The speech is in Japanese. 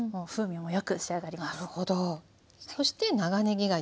なるほど。